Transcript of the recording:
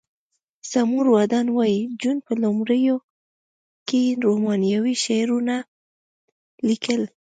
سمور ودان وایی جون په لومړیو کې رومانوي شعرونه لیکل